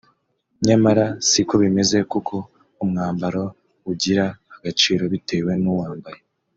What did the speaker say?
nyamara siko bimeze kuko umwambaro ugira agaciro bitewe n’ uwambaye